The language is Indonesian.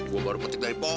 gue baru petik dari pohon